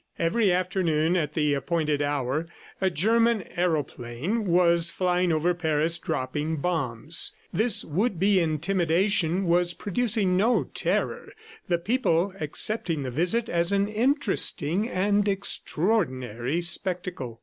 Every afternoon at the appointed hour, a German aeroplane was flying over Paris dropping bombs. This would be intimidation was producing no terror, the people accepting the visit as an interesting and extraordinary spectacle.